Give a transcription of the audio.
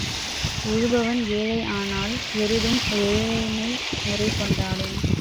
உழுபவன் ஏழை ஆனால் எருதும் ஏழைமை முறை கொண்டாடும்.